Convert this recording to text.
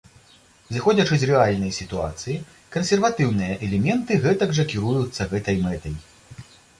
Зыходзячы з рэальнай сітуацыі, кансерватыўныя элементы гэтак жа кіруюцца гэтай мэтай.